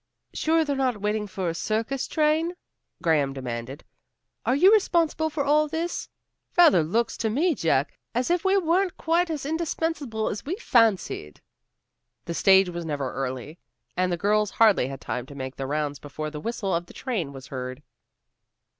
"Sure they're not waiting for a circus train?" Graham demanded. "Are you responsible for all this? Rather looks to me, Jack, as if we weren't quite as indispensable as we fancied." The stage was never early, and the girls hardly had time to make the rounds before the whistle of the train was heard.